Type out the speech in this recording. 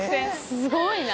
すごいな。